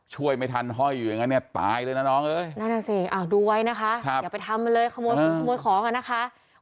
ช่วยไม่ทันห้อยอยู่อย่างนั้นเนี่ยตายเลยนะน้องเอ้ยนั่นน่ะสิดูไว้นะคะอย่าไปทำมันเลยขโมยฟุ้งขโมยของอ่ะนะคะ